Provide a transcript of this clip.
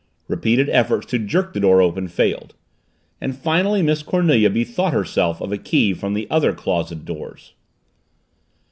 Repeated efforts to jerk the door open failed. And finally Miss Cornelia bethought herself of a key from the other closet doors.